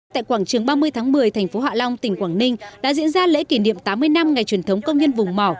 tại quảng trường ba mươi tháng một mươi thành phố hạ long tỉnh quảng ninh đã diễn ra lễ kỷ niệm tám mươi năm ngày truyền thống công nhân vùng mỏ